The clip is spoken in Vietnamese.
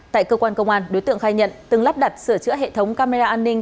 tại cơ quan công an đối tượng khai nhận từng lắp đặt sửa chữa hệ thống camera an ninh